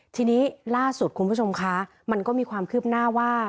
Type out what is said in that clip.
ทีนี้ล่าสุดคุณผู้ชมคะมันก็มีความคืบหน้าว่า